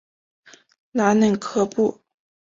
拉内科布。